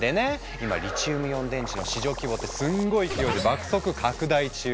今リチウムイオン電池の市場規模ってすんごい勢いで爆速拡大中！